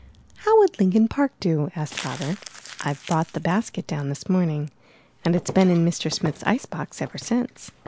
*'How would Lincoln Park do?" asked Father. *'I brought the basket down this morning and it's been in Mr. Smith's ice box ever since."